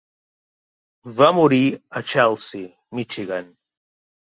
Va morir a Chelsea (Michigan).